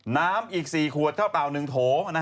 น้ำอีก๔ขวดเท่าเต่า๑โถ